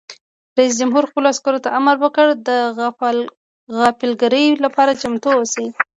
رئیس جمهور خپلو عسکرو ته امر وکړ؛ د غافلګیرۍ لپاره چمتو اوسئ!